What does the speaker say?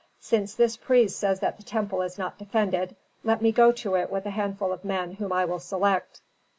Since this priest says that the temple is not defended, let me go to it with a handful of men whom I will select."